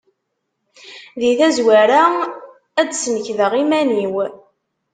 Deg tazwara ad d-snekdeɣ iman-iw.